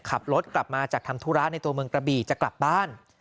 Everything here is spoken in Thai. ขับรถกลับมาจากทำธุระในตัวเมืองกระบี่จะกลับบ้าน